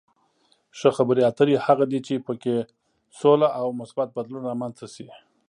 ښه خبرې اترې هغه دي چې په کې سوله او مثبت بدلون رامنځته شي.